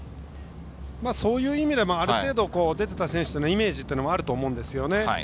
そういう意味ではある程度出ていた選手たちのイメージというのはあると思うんですよね。